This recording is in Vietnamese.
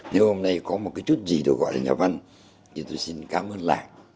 nếu hôm nay có một cái chút gì được gọi là nhà văn thì tôi xin cảm ơn làng